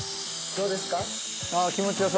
どうですか？